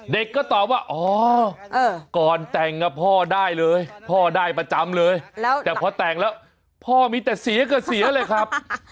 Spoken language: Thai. เด็กก็ตอบว่าอ๋อก่อนแต่งพ่อได้เลยพ่อได้ประจำเลยแต่พอแต่งแล้วพ่อมีแต่เสียก็เสียเลยครับ